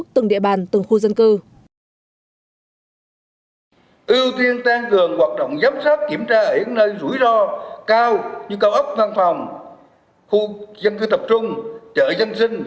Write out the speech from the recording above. từng địa bàn từng khu dân cư